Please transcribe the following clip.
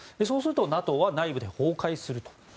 そうするとＮＡＴＯは内部で崩壊すると。